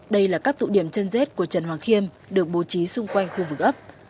đây là các tụ điểm chân rết của trần hoàng khiêm được bố trí xung quanh khu vực ấp